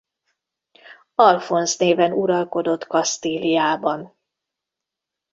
Alfonz néven uralkodott Kasztíliában.